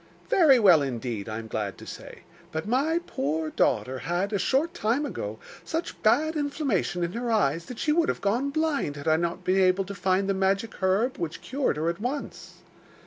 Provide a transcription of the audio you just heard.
'Very well indeed, I am glad to say. But my poor daughter had, a short time ago, such bad inflammation in her eyes that she would have gone blind had I not been able to find the magic herb, which cured her at once.